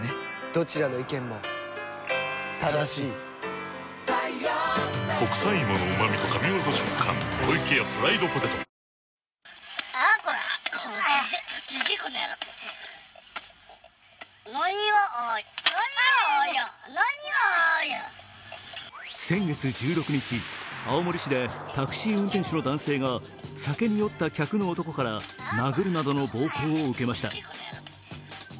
男を逮捕してほしいと求めた運転手に対し先月１６日、青森市でタクシー運転手の男性が酒に酔った客の男から殴るなどの暴行を受けました。